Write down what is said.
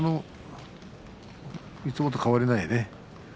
いつもと変わりないね。